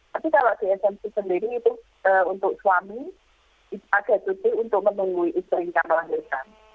tapi kalau di smc sendiri itu untuk suami ada cuti untuk menunggu istrinya melahirkan